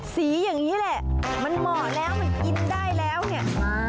สีอย่างนี้แหละมันเหมาะแล้วมันกินได้แล้วเนี่ย